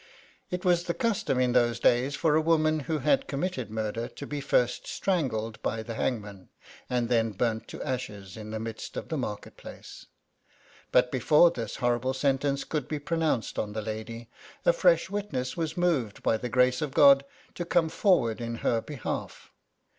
It was the custom in those days for a woman who had committed murder to be first strangled by the hangman, and then burnt to ashes in the midst of the market place ; but before this horrible sentence could be pronounced on the lady, a fresh witness was moved by the grace of God to come forward in her behalf.